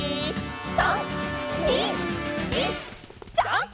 「３・２・１」「ジャンプ！」